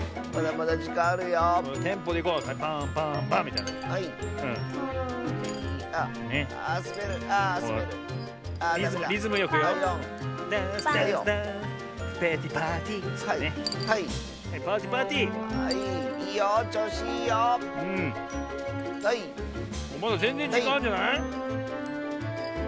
まだぜんぜんじかんあんじゃない？